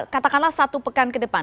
katakanlah satu pekan ke depan